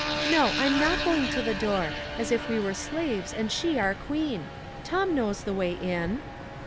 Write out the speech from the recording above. No ; I'm not going to the door, as if we were slaves and she our queen. Tom knows the way in."